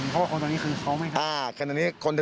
เพราะว่าคนตอนนี้คือเขาไหมครับ